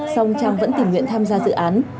song trang vẫn tỉnh nguyện tham gia dự án